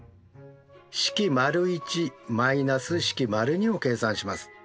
式①−式②を計算します。